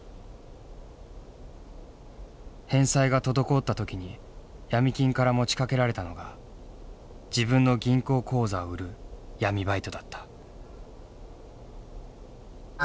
返済が滞った時に闇金から持ちかけられたのが自分の銀行口座を売る闇バイトだった。